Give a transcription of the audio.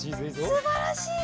すばらしい！